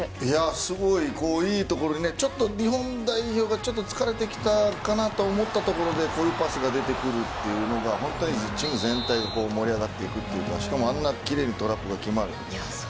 すごいいいところに日本代表がちょっと疲れてきたかなと思ったところでこういうパスが出てくるというのが全体が盛り上がっていくというかきれいにトラップが決まるかと。